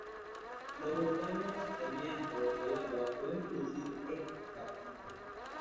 Los volcanes, el viento, o el agua pueden producir estas capas.